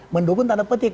mendukung tanda petik